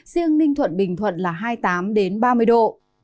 riêng ninh thuận bình thuận là hai mươi tám ba mươi độ